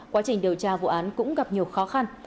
quá trình điều tra vụ án cũng gặp nhiều khó khăn